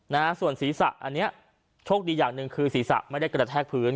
นะฮะส่วนศีรษะอันเนี้ยโชคดีอย่างหนึ่งคือศีรษะไม่ได้กระแทกพื้น